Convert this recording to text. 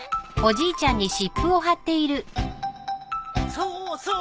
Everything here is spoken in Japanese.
そうそう。